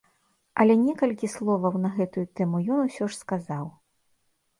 Але некалькі словаў на гэтую тэму ён ўсё ж сказаў.